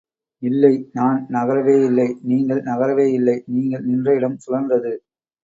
இல்லை, நான் நகரவேயில்லை. நீங்கள் நகரவேயில்லை, நீங்கள் நின்ற இடம் சுழன்றது.